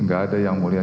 nggak ada yang mulya